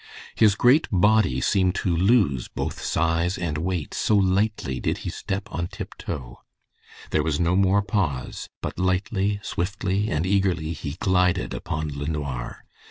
His great body seemed to lose both size and weight, so lightly did he step on tiptoe. There was no more pause, but lightly, swiftly, and eagerly he glided upon LeNoir.